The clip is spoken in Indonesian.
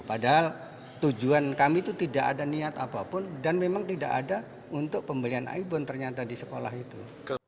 padahal tujuan kami itu tidak ada niat apapun dan memang tidak ada untuk pembelian aibon ternyata di sekolah itu